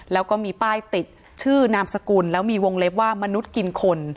แล้วก็มีป้ายติดชื่อนามสกุลแล้วมีวงเล็บว่ามนุษย์กินคน